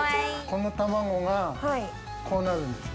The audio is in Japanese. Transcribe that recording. この卵がこうなるんです。